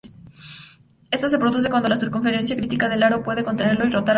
Esto se produce cuando la circunferencia crítica del aro puede contenerlo y rotar alrededor.